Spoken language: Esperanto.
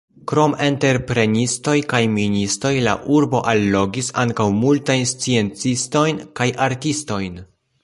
Krom entreprenistoj kaj ministoj la urbo allogis ankaŭ multajn sciencistojn kaj artistojn.